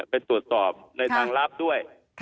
ไปตรวจสอบรางรับด้วย